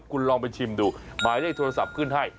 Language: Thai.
คุณลองไปชิมดูหมายเลขโทรศัพท์ขึ้นให้